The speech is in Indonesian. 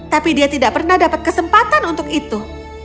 tapi dia tidak pernah dapat kesempatan untuk itu